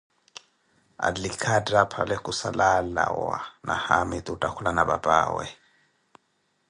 alikha attaaphale khusala alawa na haamitu otthakhulana papaawe